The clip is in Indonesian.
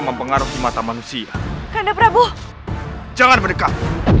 mengaruhi mata manusia karena prabu jangan berdekat